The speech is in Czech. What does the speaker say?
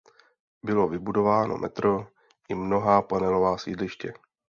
Bylo vybudováno metro i mnohá panelová sídliště.